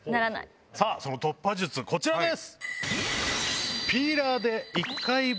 その突破術こちらです。